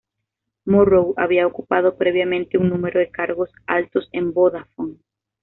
Morrow había ocupado previamente un número de cargos altos en Vodafone.